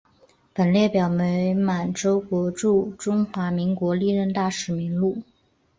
本列表为满洲国驻中华民国历任大使名录。